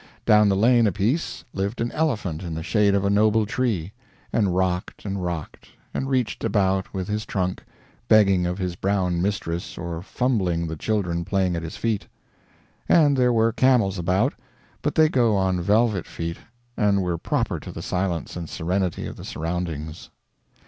Down the lane a piece lived an elephant in the shade of a noble tree, and rocked and rocked, and reached about with his trunk, begging of his brown mistress or fumbling the children playing at his feet. And there were camels about, but they go on velvet feet, and were proper to the silence and serenity of the surroundings.